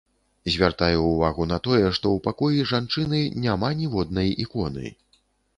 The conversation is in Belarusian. Звяртаю ўвагу на тое, што ў пакоі жанчыны няма ніводнай іконы.